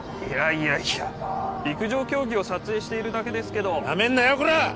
いやいや陸上競技を撮影しているだけですけどナメんなよコラ！